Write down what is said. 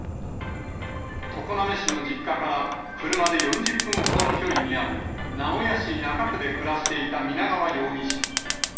常滑市の実家から車で４０分ほどの距離にある、名古屋市中区で暮らしていた皆川容疑者。